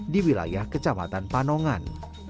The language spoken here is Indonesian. di wilayah kecamatan panongan